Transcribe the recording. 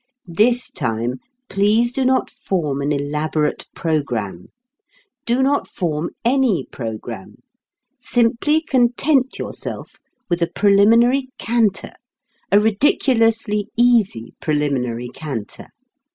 This time, please do not form an elaborate programme. Do not form any programme. Simply content yourself with a preliminary canter, a ridiculously easy preliminary canter.